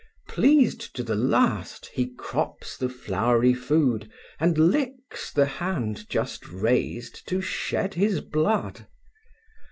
Pleased to the last, he crops the flowery food, And licks the hand just raised to shed his blood.